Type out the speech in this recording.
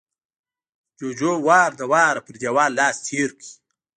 جُوجُو وار له واره پر دېوال لاس تېر کړ